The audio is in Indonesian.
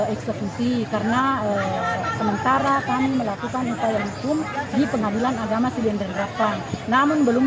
eksekusi karena sementara kami melakukan upaya hukum di pengadilan agama sidrap namun belum